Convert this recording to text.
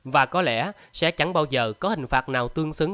và có lẽ sẽ chẳng bao giờ có hình phạt nào tương xứng